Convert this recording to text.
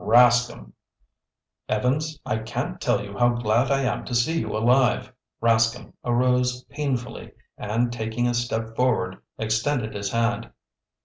"Rascomb!" "Evans, I can't tell you how glad I am to see you alive!" Rascomb arose painfully, and taking a step forward, extended his hand.